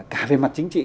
cả về mặt chính trị